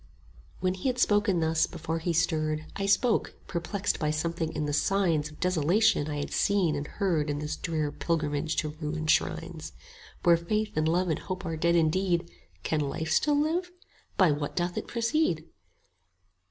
When he had spoken thus, before he stirred, 25 I spoke, perplexed by something in the signs Of desolation I had seen and heard In this drear pilgrimage to ruined shrines: Where Faith and Love and Hope are dead indeed, Can Life still live? By what doth it proceed?